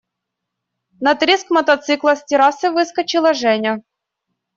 На треск мотоцикла с террасы выскочила Женя.